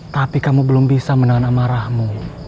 tapi kamu belum bisa menahan amarahmu